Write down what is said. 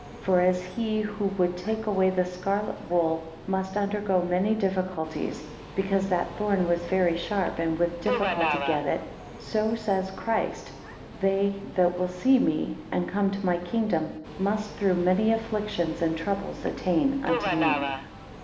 For as he who would take away the scarlet wool must undergo many difficulties, because that thorn was very sharp, and with difficulty get it: So, says Christ, they that will see me, and come to my kingdom, must through many afflictions and troubles attain unto me.